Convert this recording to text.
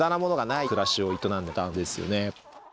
を営んでたんですよね。